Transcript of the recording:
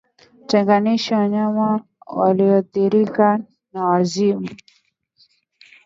Tenganisha wanyama walioathirika na wazima